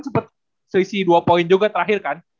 sepat selisih dua poin juga terakhir kan